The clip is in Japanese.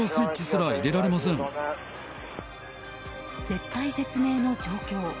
絶体絶命の状況。